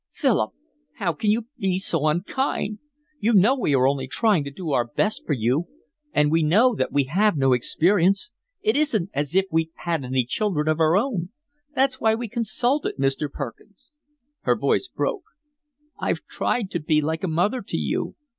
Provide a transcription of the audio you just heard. "Philip, how can you be so unkind? You know we are only trying to do our best for you, and we know that we have no experience; it isn't as if we'd had any children of our own: that's why we consulted Mr. Perkins." Her voice broke. "I've tried to be like a mother to you.